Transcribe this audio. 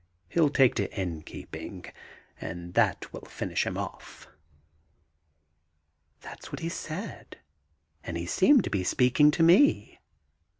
He'll take to inn keeping, and that will finish him off." That's what he said, and he seemed to be speaking of me.